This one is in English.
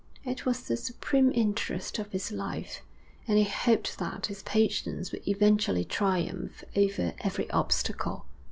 It was the supreme interest of his life, and he hoped that his patience would eventually triumph over every obstacle.